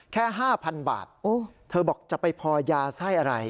แค่๕๐๐๐บาทเธอบอกจะไปพอยาไส้อะไร